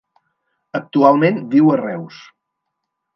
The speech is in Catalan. Actualment viu a Reus.